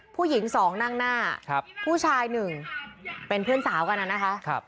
ผู้หญิงสองนั่งหน้าผู้ชายหนึ่งเป็นเพื่อนสาวกันนะคะ